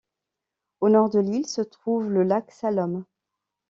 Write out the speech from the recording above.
Au nord de l'île se trouve le lac Salome.